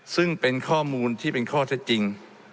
ซึ่งเป็นข้อมูลที่เป็นข้อเท็จจริง